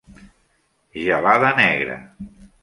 Gelada negra